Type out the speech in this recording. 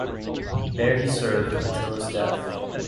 There he served until his death.